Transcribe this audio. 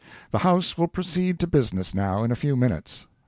The House will proceed to business now in a few minutes.